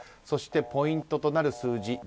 そしてポイントとなる数字